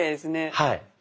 はい。